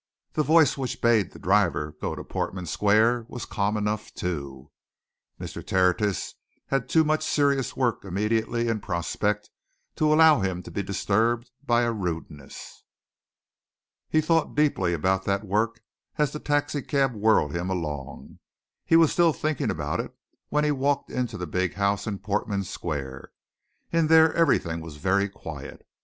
The voice which bade the driver go to Portman Square was calm enough, too Mr. Tertius had too much serious work immediately in prospect to allow himself to be disturbed by a rudeness. He thought deeply about that work as the taxi cab whirled him along; he was still thinking about it when he walked into the big house in Portman Square. In there everything was very quiet.